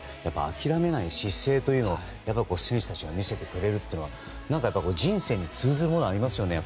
諦めない姿勢というのを選手たちが見せてくれるのは何か人生に通ずるものがありますよね。